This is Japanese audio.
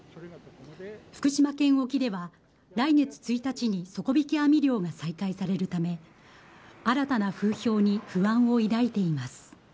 福島県沖では、来月１日に、底引き網漁が再開されるため、新たな風評に不安を抱いています。